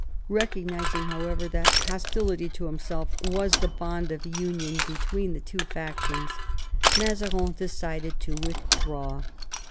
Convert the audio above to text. Eecognising, however, that hostility to himself was the bond of union between the two factions, Mazarin decided to withdraw.